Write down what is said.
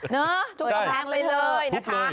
เนอะทุบกำแพงไปเลยนะคะ